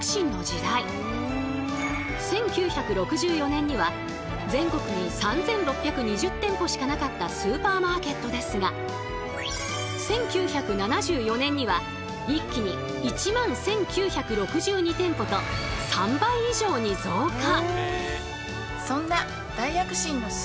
１９６４年には全国に３６２０店舗しかなかったスーパーマーケットですが１９７４年には一気に１１９６２店舗と３倍以上に増加！